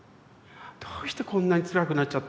「どうしてこんなにつらくなっちゃったんだろう。